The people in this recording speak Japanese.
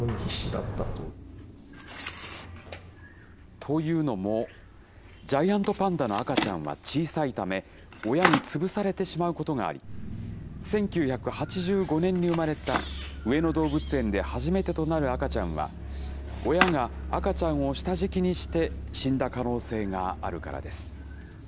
というのも、ジャイアントパンダの赤ちゃんは小さいため、親に潰されてしまうことがあり、１９８５年に生まれた上野動物園で初めてとなる赤ちゃんは、親が赤ちゃんを下敷きにして死んだ可能性があるからです。